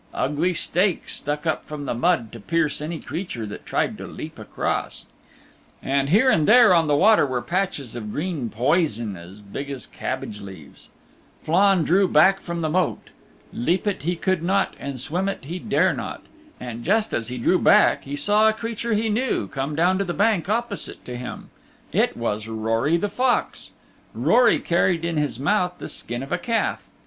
Ugly stakes stuck up from the mud to pierce any creature that tried to leap across. And here and there on the water were patches of green poison as big as cabbage leaves. Flann drew back from the Moat. Leap it he could not, and swim it he dare not. And just as he drew back he saw a creature he knew come down to the bank opposite to him. It was Rory the Fox. Rory carried in his mouth the skin of a calf.